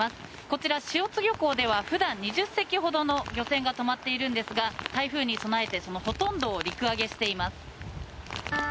こちら、塩津漁港では普段、２０隻ほどの漁船が止まっているんですが台風に備えて、そのほとんどを陸揚げしています。